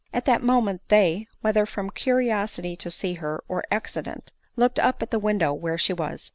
At that moment they, whether from curiosity to see her, or accident, looked up at the window where she was.